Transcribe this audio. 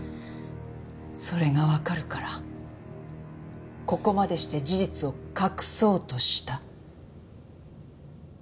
それがわかるからここまでして事実を隠そうとした。